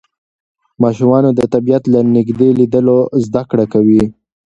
ماشومان د طبیعت له نږدې لیدلو زده کړه کوي